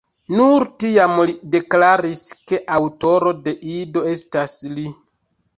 Nur tiam li deklaris, ke aŭtoro de Ido estas li.